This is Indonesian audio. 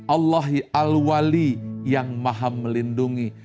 allahi al wali yang maha melindungi